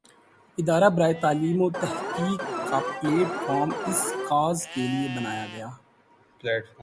ادارہ برائے تعلیم وتحقیق کا پلیٹ فارم اس کاز کے لئے بنایا گیا۔